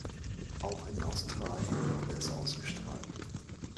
Auch in Australien wurde es ausgestrahlt.